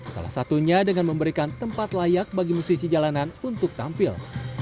salah satunya dengan memberikan tempat layak bagi musisi jalanan untuk tampil